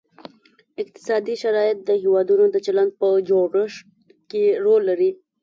اقتصادي شرایط د هیوادونو د چلند په جوړښت کې رول لري